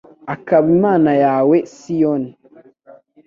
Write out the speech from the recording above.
akaba Imana yawe Siyoni